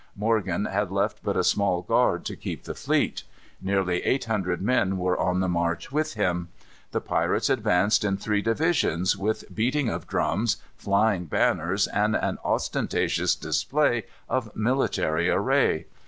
Morgan had left but a small guard to keep the fleet. Nearly eight hundred men were on the march with him. The pirates advanced in three divisions, with beating of drums, flying banners, and an ostentatious display of military array.